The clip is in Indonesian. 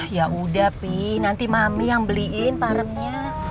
yaudah pi nanti mami yang beliin paremnya